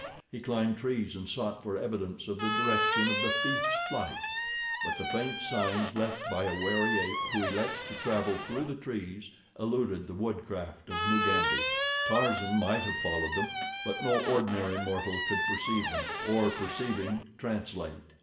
He climbed trees and sought for evidence of the direction of the thief's flight; but the faint signs left by a wary ape who elects to travel through the trees eluded the woodcraft of Mugambi. Tarzan might have followed them; but no ordinary mortal could perceive them, or perceiving, translate.